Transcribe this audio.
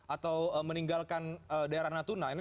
atau meninggalkan daerah natuna